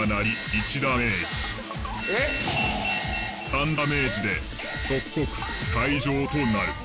３ダメージで即刻退場となる。